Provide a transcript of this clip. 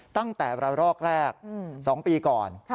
ตั้งแต่ระลอกแรก๒ปีก่อน